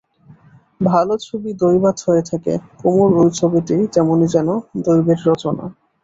ভালো ছবি দৈবাৎ হয়ে থাকে, কুমুর ঐ ছবিটি তেমনি যেন দৈবের রচনা।